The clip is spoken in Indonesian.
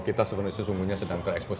kita sebenarnya sesungguhnya sedang ke expose